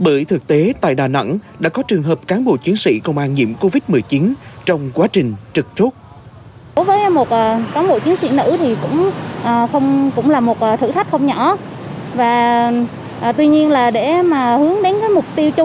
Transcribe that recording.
bởi thực tế tại đà nẵng đã có trường hợp cán bộ chiến sĩ công an nhiễm covid một mươi chín trong quá trình trực chốt